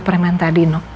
permen tadi nuk